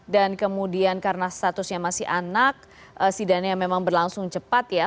dan kemudian karena statusnya masih anak sidangnya memang berlangsung cepat ya